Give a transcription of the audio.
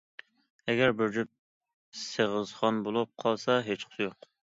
ئەگەر بىر جۈپ سېغىزخان بولۇپ قالسا ھېچقىسى يوق.